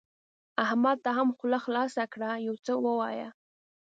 احمده ته هم خوله خلاصه کړه؛ يو څه ووايه.